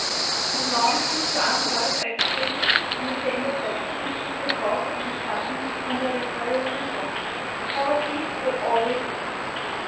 Not long since France heard it advocated in the Chamber of Deputies, in the course of the discussion on the electoral reform, POVERTY WILL ALWAYS EXIST.